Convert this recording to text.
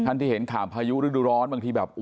ท่านที่เห็นขาบพายุฤดูร้อนบางทีแบบโอ้โห